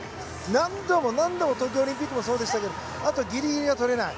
何度も何度も東京オリンピックもそうでしたけどギリギリでとれない。